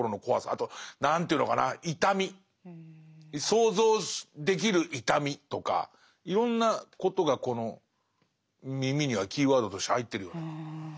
あと何ていうのかな痛み想像できる痛みとかいろんなことがこの耳にはキーワードとして入ってるような。